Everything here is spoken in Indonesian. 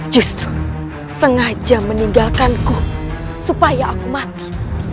justru sengaja meninggalkanku supaya aku mati